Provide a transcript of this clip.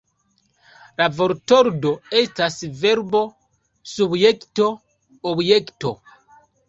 La vortordo estas Verbo Subjekto Objekto.